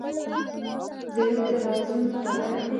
زړه د رازونو ټغر دی.